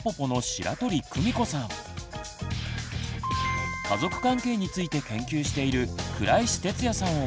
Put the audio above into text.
家族関係について研究している倉石哲也さんを迎えて考えていきます！